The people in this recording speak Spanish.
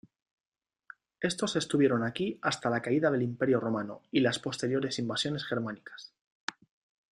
Estos estuvieron aquí hasta la caída del imperio Romano y las posteriores invasiones germánicas.